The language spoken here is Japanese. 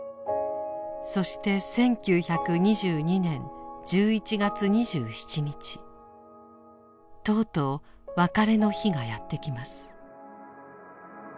そして１９２２年１１月２７日とうとう別れの日がやってきます。